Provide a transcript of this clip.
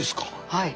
はい。